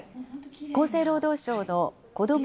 厚生労働省の子ども